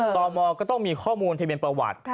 ตอนมก็ต้องมีข้อมูลที่เป็นประวัติ